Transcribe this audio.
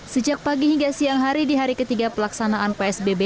sejak pagi hingga siang hari di hari ketiga pelaksanaan psbb